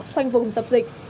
khoanh vùng dọc dịch